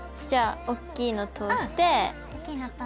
じゃあおっきいの通して。